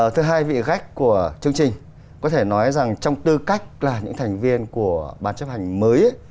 thứ hai vị khách của chương trình có thể nói rằng trong tư cách là những thành viên của ban chấp hành mới